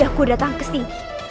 tapi aku datang kesini